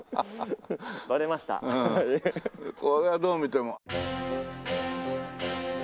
これはどう見ても。